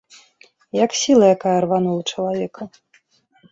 Як сіла якая рванула чалавека.